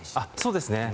そうですね。